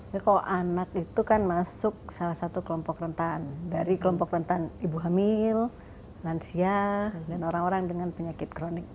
ya kalau anak itu kan masuk salah satu kelompok rentan dari kelompok rentan ibu hamil lansia dan orang orang dengan penyakit kronik